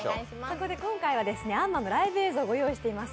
そこで今回は「アンマー」のライブ映像をご用意しています。